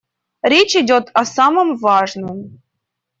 Речь идёт о самом важном.